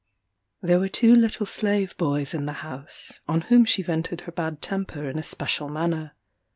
There were two little slave boys in the house, on whom she vented her bad temper in a special manner.